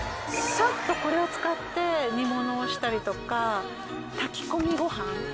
さっとこれを使って煮物をしたりとか炊き込みご飯。